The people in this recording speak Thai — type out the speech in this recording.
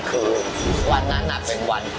มีวันที่เห็นไหม